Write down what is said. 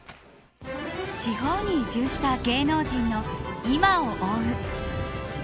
地方に移住した芸能人の今を追う